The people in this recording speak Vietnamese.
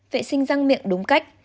vệ sinh răng miệng đúng cách